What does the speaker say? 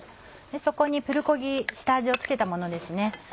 そこにプルコギ下味を付けたものですね。